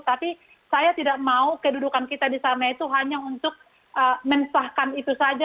tapi saya tidak mau kedudukan kita di sana itu hanya untuk mensahkan itu saja